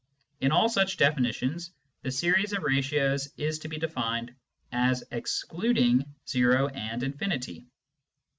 (In all such definitions, the series of ratios is to be defined as excluding o and infinity.)